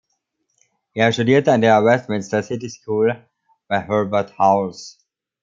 Er studierte an der Westminster City School bei Herbert Howells.